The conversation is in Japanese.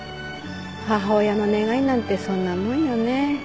母親の願いなんてそんなもんよね。